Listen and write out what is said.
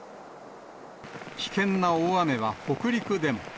危険な大雨は北陸でも。